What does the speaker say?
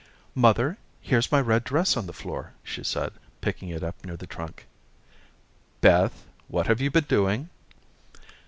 "Mother, here's my red dress on the floor," she said, picking it up near the trunk. "Beth, what have you been doing?"